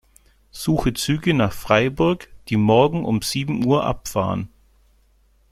Suche Züge nach Freiburg, die morgen um sieben Uhr abfahren.